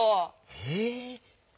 え！